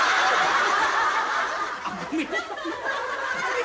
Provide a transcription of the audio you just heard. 危ねえな。